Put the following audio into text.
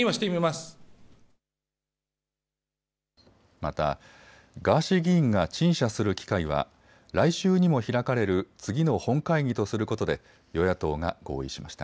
また、ガーシー議員が陳謝する機会は来週にも開かれる次の本会議とすることで与野党が合意しました。